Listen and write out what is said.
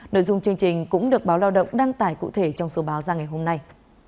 nội dung chương trình cũng được báo lao động đăng tải cụ thể trong số báo ra ngày hôm nay